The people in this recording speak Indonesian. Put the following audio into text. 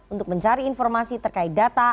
untuk mencari informasi terkait data